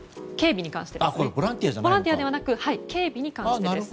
ボランティアではなく警備に関してですね。